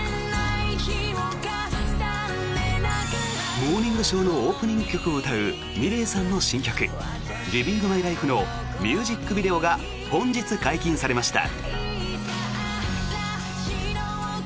「モーニングショー」のオープニング曲を歌うｍｉｌｅｔさんの新曲「ＬｉｖｉｎｇＭｙＬｉｆｅ」のミュージックビデオが本日解禁されました。